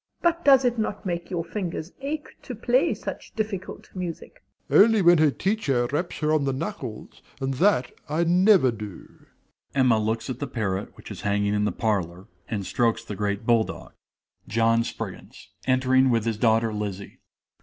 But does it not make your fingers ache to play such difficult music? DOMINIE. Only when her teacher raps her on the knuckles, and that I never do. (Emma looks at the parrot which is hanging in the parlor, and strokes the great bull dog.) JOHN SPRIGGINS (entering with his daughter Lizzie).